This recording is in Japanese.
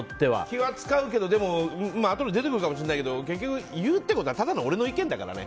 気は使うけどあとで出てくるかもしれないけど結局、言うってことはただの俺の意見だからね。